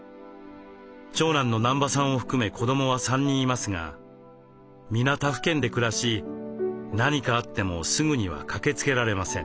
長男の南場さんを含め子どもは３人いますが皆他府県で暮らし何かあってもすぐには駆けつけられません。